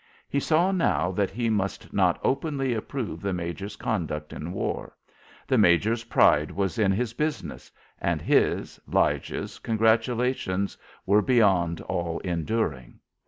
He saw now that he must not openly approve the major's conduct in war. The major's pride was in his business, and his, Lige's congratulations, were beyond all enduring.